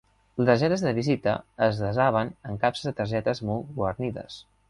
Les targetes de visita es desaven en capses de targetes molt guarnides.